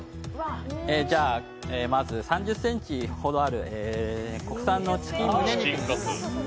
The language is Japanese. じゃあ、まず３０ｃｍほどある国産のチキンのむね肉。